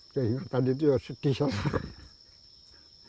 keingetan itu sedih sangat